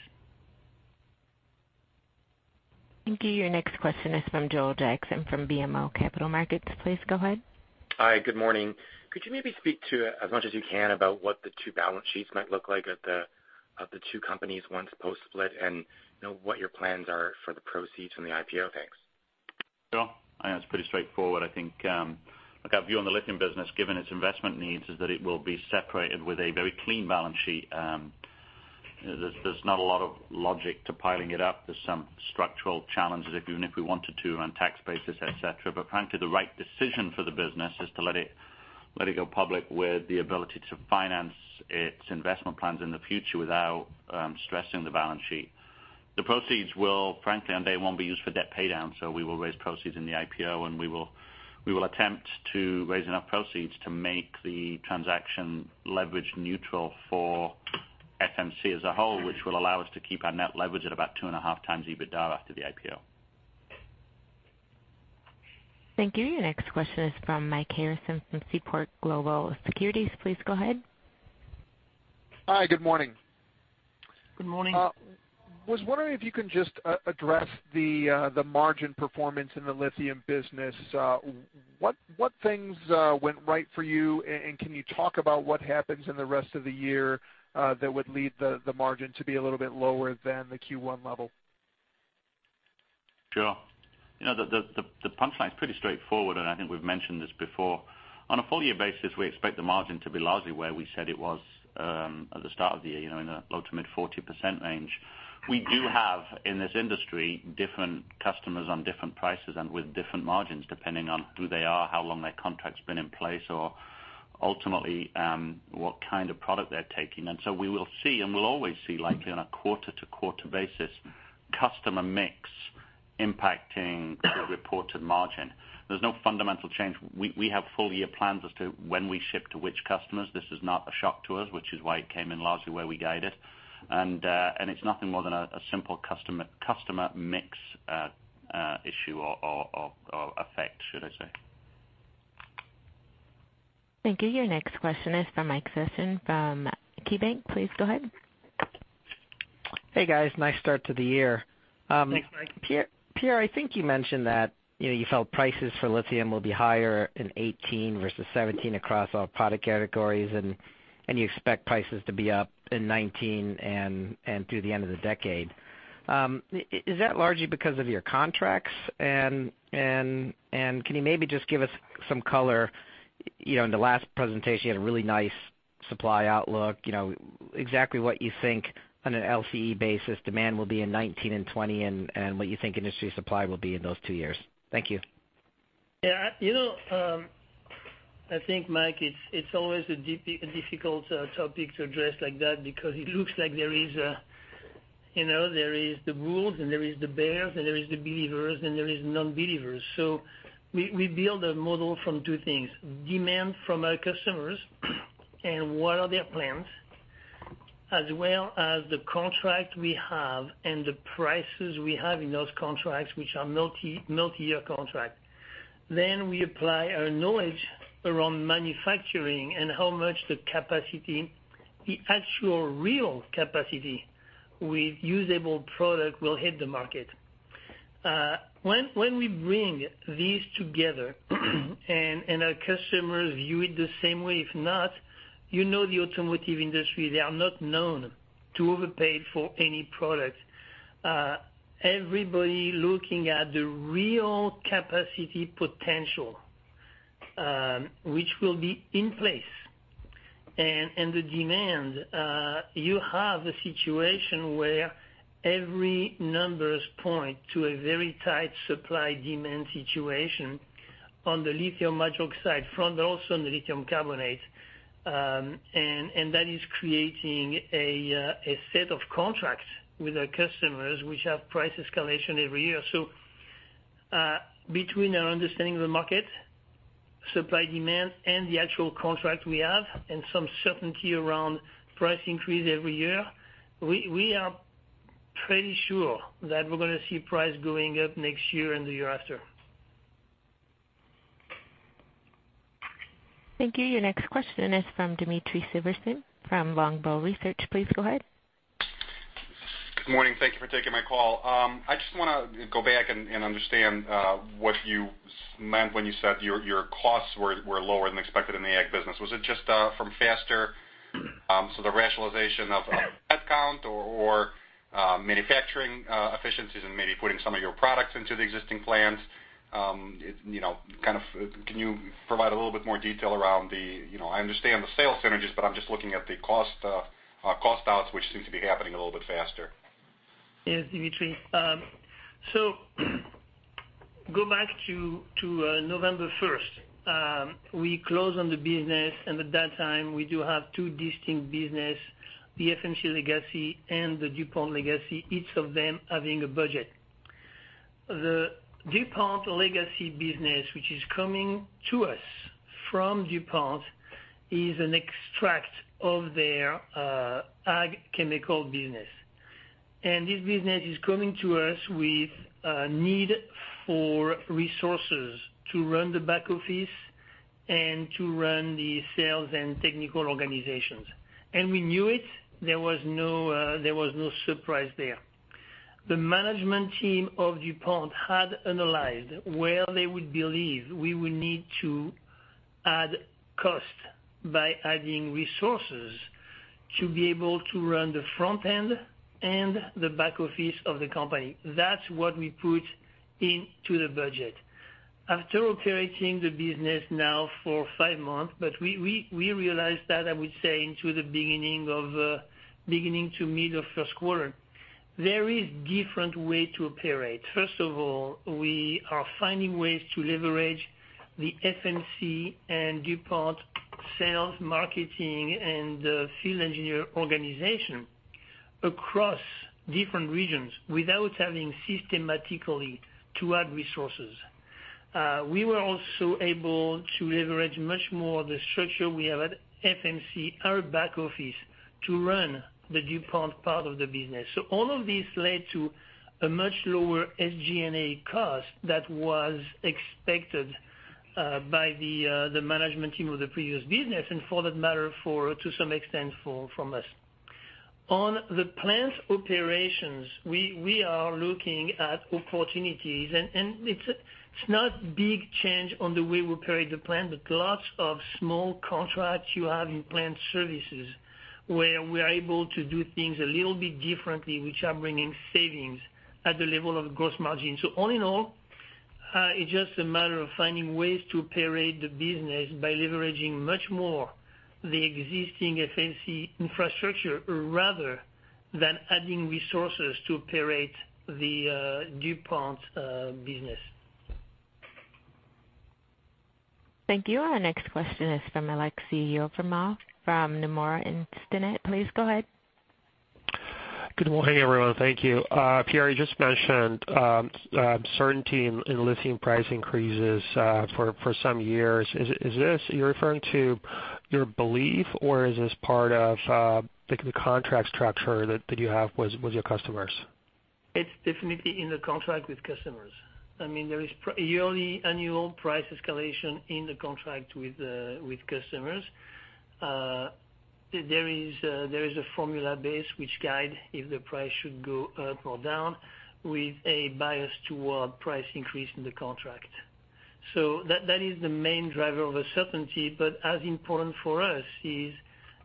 S1: Thank you. Your next question is from Joel Jackson from BMO Capital Markets. Please go ahead.
S11: Hi. Good morning. Could you maybe speak to as much as you can about what the two balance sheets might look like of the two companies once post-split and what your plans are for the proceeds from the IPO? Thanks.
S4: Sure. It's pretty straightforward. I think our view on the lithium business, given its investment needs, is that it will be separated with a very clean balance sheet. There's not a lot of logic to piling it up. There's some structural challenges, even if we wanted to, on tax basis, et cetera. Frankly, the right decision for the business is to let it go public with the ability to finance its investment plans in the future without stressing the balance sheet. The proceeds will, frankly, on day one, be used for debt pay down. We will raise proceeds in the IPO, and we will attempt to raise enough proceeds to make the transaction leverage neutral for FMC as a whole, which will allow us to keep our net leverage at about two and a half times EBITDA after the IPO.
S1: Thank you. Your next question is from Michael Harrison from Seaport Global Securities. Please go ahead.
S12: Hi. Good morning.
S3: Good morning.
S12: Was wondering if you can just address the margin performance in the lithium business. What things went right for you? Can you talk about what happens in the rest of the year that would lead the margin to be a little bit lower than the Q1 level?
S4: Sure. The punchline is pretty straightforward. I think we've mentioned this before. On a full year basis, we expect the margin to be largely where we said it was at the start of the year, in the low to mid 40% range. We do have, in this industry, different customers on different prices and with different margins depending on who they are, how long their contract's been in place, or ultimately, what kind of product they're taking. We will see, and we'll always see likely on a quarter-to-quarter basis, customer mix impacting the reported margin. There's no fundamental change. We have full-year plans as to when we ship to which customers. This is not a shock to us, which is why it came in largely where we guided. It's nothing more than a simple customer mix issue or effect, should I say.
S1: Thank you. Your next question is from Michael Sison from KeyBanc. Please go ahead.
S13: Hey, guys. Nice start to the year.
S3: Thanks, Mike.
S13: Pierre, I think you mentioned that you felt prices for lithium will be higher in 2018 versus 2017 across all product categories, and you expect prices to be up in 2019 and through the end of the decade. Is that largely because of your contracts? Can you maybe just give us some color? In the last presentation, you had a really nice supply outlook. Exactly what you think on an LCE basis demand will be in 2019 and 2020 and what you think industry supply will be in those two years. Thank you.
S3: Yeah. I think, Mike, it's always a difficult topic to address like that because it looks like there is the bulls and there is the bears, and there is the believers, and there is non-believers. We build a model from two things, demand from our customers and what are their plans, as well as the contract we have and the prices we have in those contracts, which are multi-year contract. We apply our knowledge around manufacturing and how much the capacity, the actual real capacity with usable product will hit the market. When we bring these together and our customers view it the same way, if not, you know the automotive industry, they are not known to overpay for any product. Everybody looking at the real capacity potential, which will be in place and the demand, you have a situation where every number point to a very tight supply-demand situation on the lithium hydroxide front, but also on the lithium carbonate. That is creating a set of contracts with our customers which have price escalation every year. Between our understanding of the market supply-demand and the actual contract we have and some certainty around price increase every year. We are pretty sure that we're going to see price going up next year and the year after.
S1: Thank you. Your next question is from Dmitry Silversteyn from Longbow Research. Please go ahead.
S14: Good morning. Thank you for taking my call. I just want to go back and understand what you meant when you said your costs were lower than expected in the ag business. Was it just from faster the rationalization of headcount or manufacturing efficiencies and maybe putting some of your products into the existing plants? Can you provide a little bit more detail around I understand the sales synergies, but I'm just looking at the cost outs, which seem to be happening a little bit faster.
S3: Yes, Dmitry. Go back to November 1st. We closed on the business, at that time, we do have two distinct business, the FMC legacy and the DuPont legacy, each of them having a budget. The DuPont legacy business, which is coming to us from DuPont, is an extract of their ag chemical business. This business is coming to us with a need for resources to run the back office and to run the sales and technical organizations. We knew it. There was no surprise there. The management team of DuPont had analyzed where they would believe we would need to add cost by adding resources to be able to run the front end and the back office of the company. That's what we put into the budget. After operating the business now for five months, we realized that, I would say, into the beginning to middle first quarter. There is different way to operate. First of all, we are finding ways to leverage the FMC and DuPont sales, marketing, and the field engineer organization across different regions without having systematically to add resources. We were also able to leverage much more the structure we have at FMC, our back office, to run the DuPont part of the business. All of this led to a much lower SG&A cost that was expected by the management team of the previous business, and for that matter, to some extent, from us. On the plant operations, we are looking at opportunities, it's not big change on the way we operate the plant. Lots of small contracts you have in plant services, where we are able to do things a little bit differently, which are bringing savings at the level of gross margin. All in all, it's just a matter of finding ways to operate the business by leveraging much more the existing FMC infrastructure rather than adding resources to operate the DuPont business.
S1: Thank you. Our next question is from Aleksey Yefremov from Nomura Instinet. Please go ahead.
S15: Good morning, everyone. Thank you. Pierre, you just mentioned certainty in lithium price increases for some years. Is this, you're referring to your belief or is this part of the contract structure that you have with your customers?
S3: It's definitely in the contract with customers. There is yearly annual price escalation in the contract with customers. There is a formula base which guide if the price should go up or down with a bias toward price increase in the contract. That is the main driver of a certainty, but as important for us is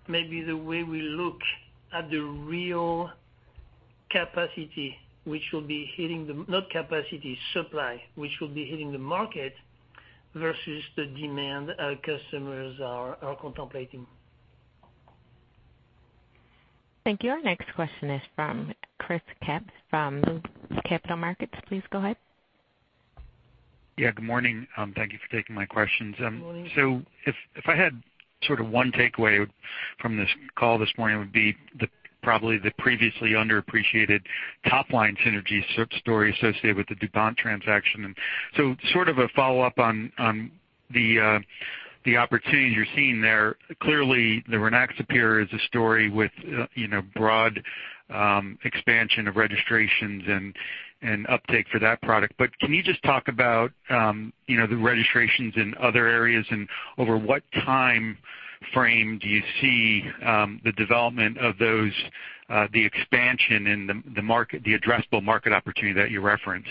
S3: maybe the way we look at the real capacity which will be hitting the supply, which will be hitting the market versus the demand our customers are contemplating.
S1: Thank you. Our next question is from Chris Kemp from Capital Markets. Please go ahead.
S16: Yeah, good morning. Thank you for taking my questions.
S3: Good morning.
S16: If I had sort of one takeaway from this call this morning, it would be probably the previously underappreciated top-line synergy story associated with the DuPont transaction. Sort of a follow-up on the opportunities you're seeing there. Clearly, the Rynaxypyr is a story with broad expansion of registrations and uptake for that product. Can you just talk about the registrations in other areas, and over what time frame do you see the development of those, the expansion in the addressable market opportunity that you referenced?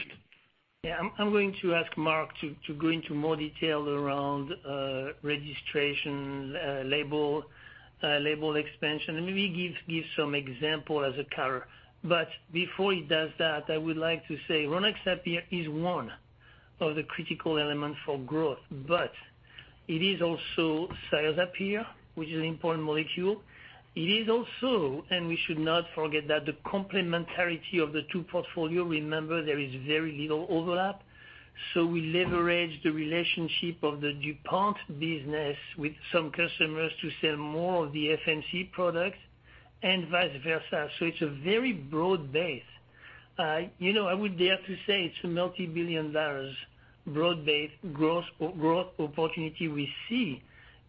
S3: I'm going to ask Mark to go into more detail around registration, label expansion, and maybe give some example as a [carrier]. Before he does that, I would like to say Rynaxypyr is one of the critical elements for growth. It is also Cyazypyr, which is an important molecule. It is also, and we should not forget that, the complementarity of the two portfolio. Remember, there is very little overlap. We leverage the relationship of the DuPont business with some customers to sell more of the FMC products and vice versa. It's a very broad base I would dare to say it's a multi-billion dollars broad-based growth opportunity we see,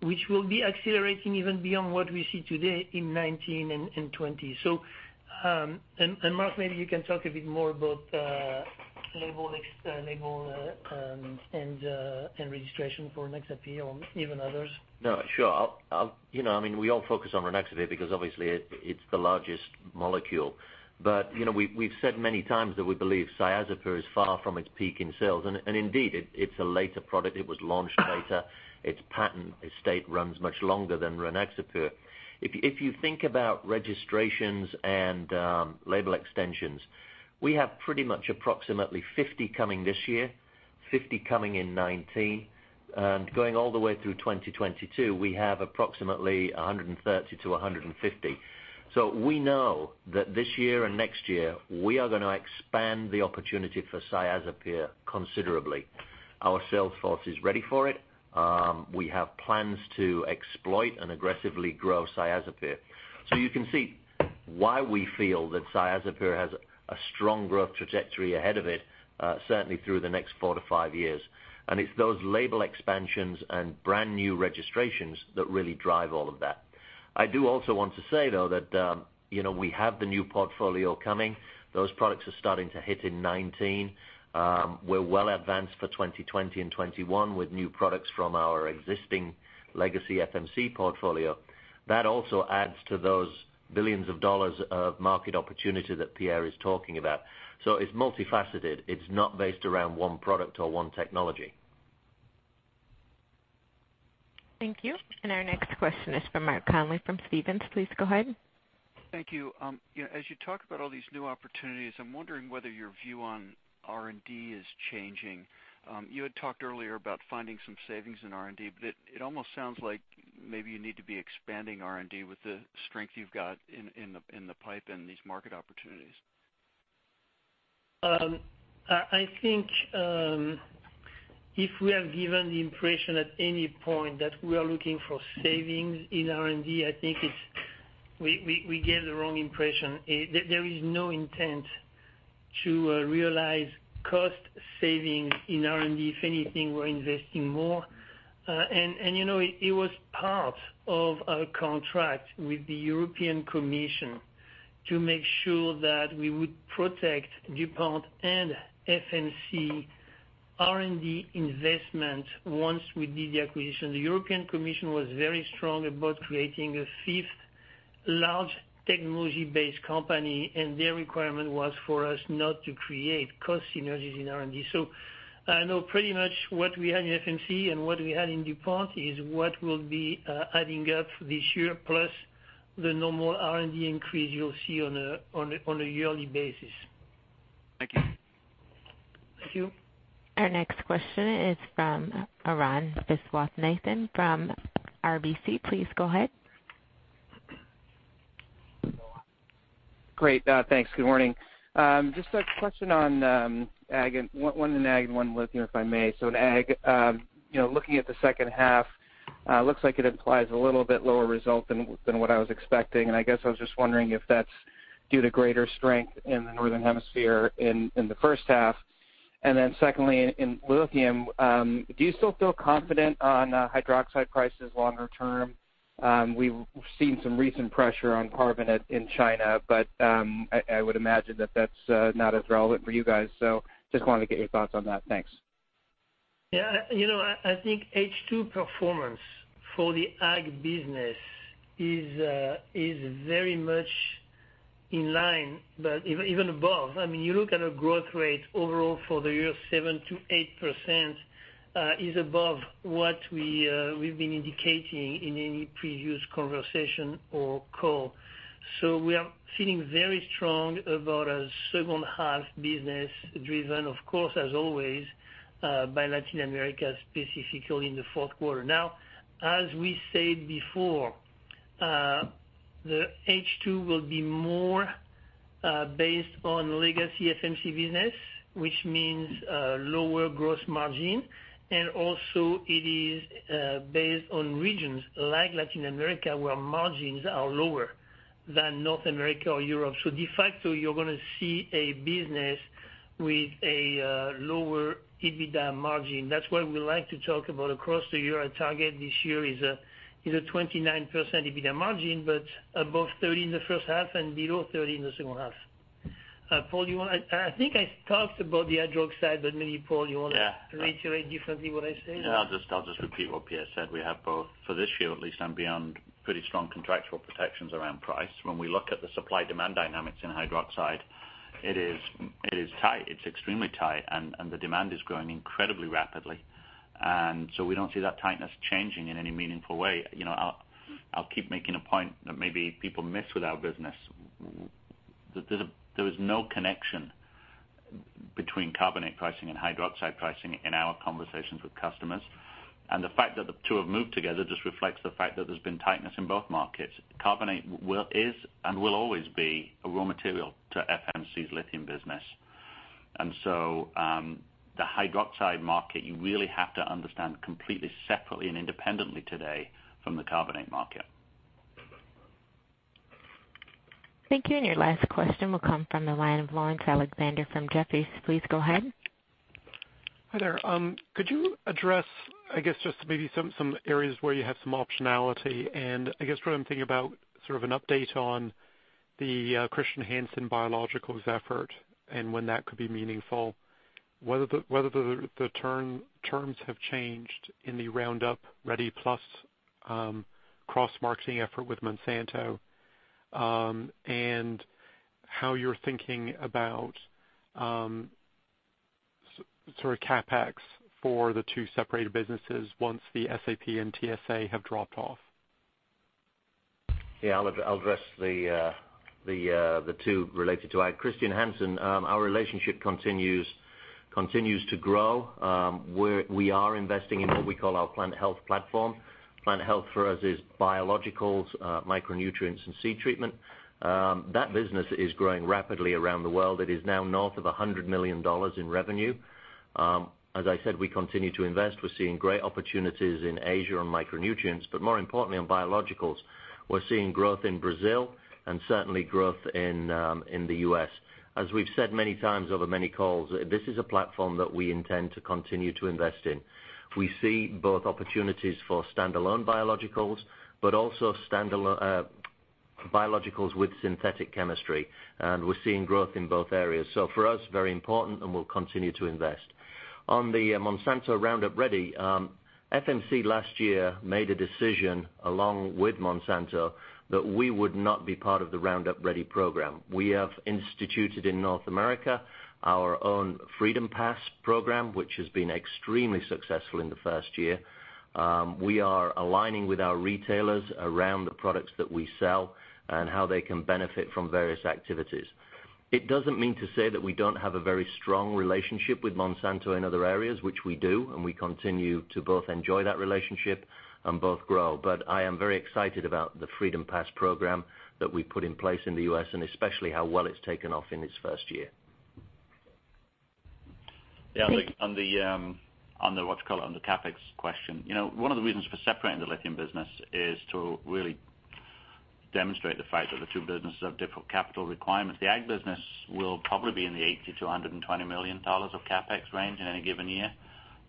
S3: which will be accelerating even beyond what we see today in 2019 and 2020. Mark, maybe you can talk a bit more about label and registration for Rynaxypyr or even others.
S6: Sure. We all focus on Rynaxypyr because obviously it's the largest molecule, we've said many times that we believe Cyazypyr is far from its peak in sales, and indeed, it's a later product. It was launched later. Its patent estate runs much longer than Rynaxypyr. If you think about registrations and label extensions, we have pretty much approximately 50 coming this year, 50 coming in 2019, and going all the way through 2022, we have approximately 130 to 150. We know that this year and next year, we are going to expand the opportunity for Cyazypyr considerably. Our sales force is ready for it. We have plans to exploit and aggressively grow Cyazypyr. You can see why we feel that Cyazypyr has a strong growth trajectory ahead of it, certainly through the next four to five years. It's those label expansions and brand-new registrations that really drive all of that. I do also want to say, though, that we have the new portfolio coming. Those products are starting to hit in 2019. We're well advanced for 2020 and 2021 with new products from our existing legacy FMC portfolio. That also adds to those billions of dollars of market opportunity that Pierre Brondeau is talking about. It's multifaceted. It's not based around one product or one technology.
S1: Thank you. Our next question is from Mark Connelly from Stephens. Please go ahead.
S17: Thank you. As you talk about all these new opportunities, I'm wondering whether your view on R&D is changing. You had talked earlier about finding some savings in R&D, it almost sounds like maybe you need to be expanding R&D with the strength you've got in the pipe and these market opportunities.
S3: I think if we have given the impression at any point that we are looking for savings in R&D, I think we gave the wrong impression. There is no intent to realize cost savings in R&D. If anything, we're investing more. It was part of our contract with the European Commission to make sure that we would protect DuPont and FMC R&D investment once we did the acquisition. The European Commission was very strong about creating a fifth large technology-based company, their requirement was for us not to create cost synergies in R&D. I know pretty much what we had in FMC and what we had in DuPont is what will be adding up this year, plus the normal R&D increase you'll see on a yearly basis.
S17: Thank you.
S3: Thank you.
S1: Our next question is from Arun Viswanathan from RBC. Please go ahead.
S18: Great. Thanks. Good morning. Just a question on ag, one in ag and one lithium, if I may. In ag, looking at the second half, looks like it implies a little bit lower result than what I was expecting, and I guess I was just wondering if that's due to greater strength in the northern hemisphere in the first half. Secondly, in lithium, do you still feel confident on hydroxide prices longer term? We've seen some recent pressure on carbonate in China, but I would imagine that that's not as relevant for you guys. Just wanted to get your thoughts on that. Thanks.
S3: Yeah. I think H2 performance for the ag business is very much in line, but even above. You look at our growth rate overall for the year of 7%-8% is above what we've been indicating in any previous conversation or call. We are feeling very strong about our second half business, driven, of course, as always by Latin America, specifically in the fourth quarter. Now, as we said before, the H2 will be more based on legacy FMC business, which means lower gross margin, and also it is based on regions like Latin America, where margins are lower than North America or Europe. De facto, you're going to see a business with a lower EBITDA margin. That's why we like to talk about across the year, our target this year is a 29% EBITDA margin, but above 30% in the first half and below 30% in the second half. Paul, do you want to. I think I talked about the hydroxide, but maybe, Paul, you want to.
S4: Yeah
S6: Reiterate differently what I said?
S4: No, I'll just repeat what Pierre said. We have both for this year at least and beyond, pretty strong contractual protections around price. When we look at the supply-demand dynamics in hydroxide, it is tight. It's extremely tight, and the demand is growing incredibly rapidly. We don't see that tightness changing in any meaningful way. I'll keep making a point that maybe people miss with our business. There is no connection between carbonate pricing and hydroxide pricing in our conversations with customers. The fact that the two have moved together just reflects the fact that there's been tightness in both markets. Carbonate is and will always be a raw material to FMC's lithium business. The hydroxide market, you really have to understand completely separately and independently today from the carbonate market.
S1: Thank you. Your last question will come from the line of Laurence Alexander from Jefferies. Please go ahead.
S19: Hi there. Could you address, I guess, just maybe some areas where you have some optionality? I guess what I'm thinking about, sort of an update on the Chr. Hansen Biologicals effort and when that could be meaningful, whether the terms have changed in the Roundup Ready PLUS cross-marketing effort with Monsanto, and how you're thinking about sort of CapEx for the two separated businesses once the SAP and TSA have dropped off.
S6: Yeah, I'll address the two related to ag. Chr. Hansen, our relationship continues to grow, where we are investing in what we call our plant health platform. Plant health for us is biologicals, micronutrients, and seed treatment. That business is growing rapidly around the world. It is now north of $100 million in revenue. As I said, we continue to invest. We're seeing great opportunities in Asia on micronutrients, but more importantly on biologicals. We're seeing growth in Brazil and certainly growth in the U.S. As we've said many times over many calls, this is a platform that we intend to continue to invest in. We see both opportunities for standalone biologicals, but also biologicals with synthetic chemistry, and we're seeing growth in both areas. For us, very important and we'll continue to invest. On the Monsanto Roundup Ready, FMC last year made a decision along with Monsanto that we would not be part of the Roundup Ready program. We have instituted in North America our own Freedom Pass program, which has been extremely successful in the first year. We are aligning with our retailers around the products that we sell and how they can benefit from various activities. It doesn't mean to say that we don't have a very strong relationship with Monsanto in other areas, which we do, and we continue to both enjoy that relationship and both grow. I am very excited about the Freedom Pass program that we put in place in the U.S. and especially how well it's taken off in its first year.
S1: Thank-
S6: On the, what you call it, on the CapEx question. One of the reasons for separating the lithium business is to really demonstrate the fact that the two businesses have different capital requirements. The ag business will probably be in the $80 million-$120 million of CapEx range in any given year.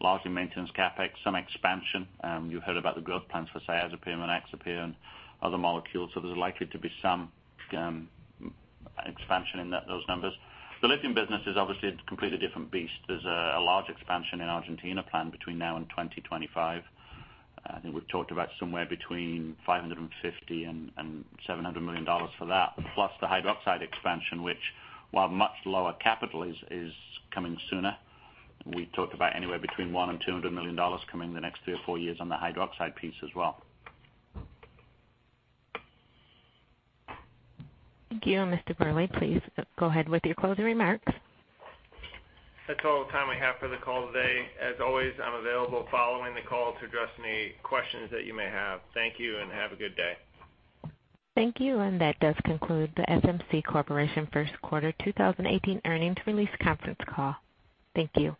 S6: Largely maintenance CapEx, some expansion. You heard about the growth plans for Cyazypyr and Rynaxypyr and other molecules, so there's likely to be some expansion in those numbers. The lithium business is obviously a completely different beast. There's a large expansion in Argentina planned between now and 2025. I think we've talked about somewhere between $550 million-$700 million for that, plus the hydroxide expansion, which while much lower capital is coming sooner. We talked about anywhere between $100 million-$200 million coming the next three or four years on the hydroxide piece as well.
S1: Thank you. Mr. Wherley, please go ahead with your closing remarks.
S2: That's all the time we have for the call today. As always, I'm available following the call to address any questions that you may have. Thank you and have a good day.
S1: Thank you. That does conclude the FMC Corporation first quarter 2018 earnings release conference call. Thank you.